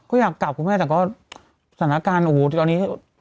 ก็อยากกลับคุณแม่แต่ก็สถานการณ์โอ้โหตอนนี้